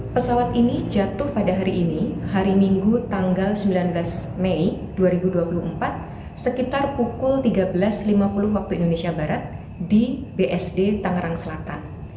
pesawat ini jatuh pada hari ini hari minggu tanggal sembilan belas mei dua ribu dua puluh empat sekitar pukul tiga belas lima puluh waktu indonesia barat di bsd tangerang selatan